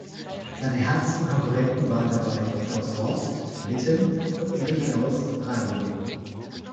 Seine härtesten Konkurrenten waren dabei Klaus Rost, Witten und Erich Klaus, Reilingen.